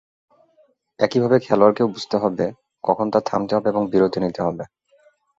একইভাবে খেলোয়াড়কেও বুঝবে হবে, কখন তার থামতে হবে এবং বিরতি নিতে হবে।